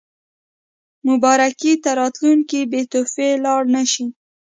مبارکۍ ته راتلونکي بې تحفې لاړ نه شي.